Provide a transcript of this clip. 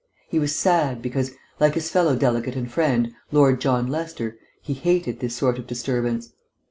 He was sad, because, like his fellow delegate and friend, Lord John Lester, he hated this sort of disturbance.